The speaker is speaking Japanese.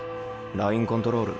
ラインコントロール